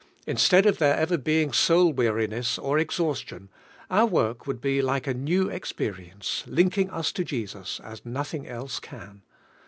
Instead of there ever being soul weariness or ex haustion, our work would tie like a new experience, linking us to Jesras as noth ing else can.